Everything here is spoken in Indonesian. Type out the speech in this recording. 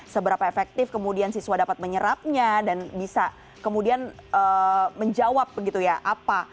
seberapa efektif kemudian siswa dapat menyerapnya dan bisa kemudian menjawab begitu ya apa